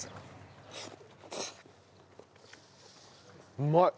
うまい。